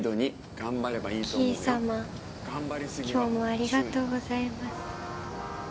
今日もありがとうございます。